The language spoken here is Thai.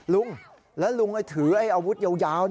ลุงแล้วลุงถืออาวุธยาว